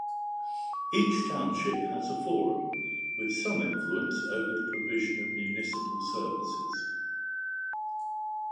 Each township has a forum, with some influence over the provision of municipal services.